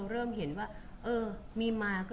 คุณผู้ถามเป็นความขอบคุณค่ะ